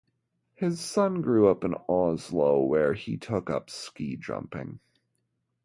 His son grew up in Oslo, where he took up ski jumping.